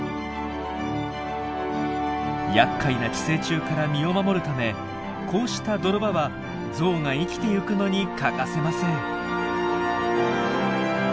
やっかいな寄生虫から身を守るためこうした泥場はゾウが生きてゆくのに欠かせません。